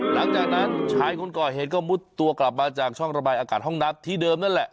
หลังจากนั้นชายคนก่อเหตุก็มุดตัวกลับมาจากช่องระบายอากาศห้องน้ำที่เดิมนั่นแหละ